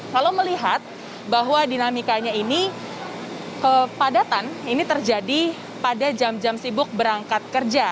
kalau melihat bahwa dinamikanya ini kepadatan ini terjadi pada jam jam sibuk berangkat kerja